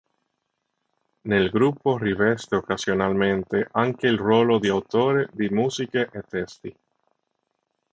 Nel gruppo riveste occasionalmente anche il ruolo di autore di musiche e testi.